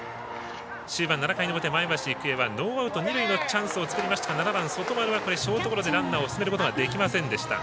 終盤７回の表、前橋育英はノーアウト、二塁のチャンスを作りましたが７番、外丸はショートゴロでランナーを進めることができませんでした。